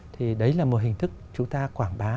thì đấy là một hình thức chúng ta quảng bá